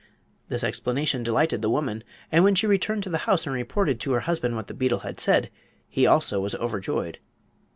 This explanation delighted the woman, and when she returned to the house and reported to her husband what the beetle had said he also was overjoyed.